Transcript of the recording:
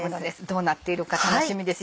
どうなっているか楽しみですよね。